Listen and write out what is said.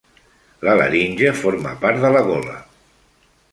La laringe forma part de la gola.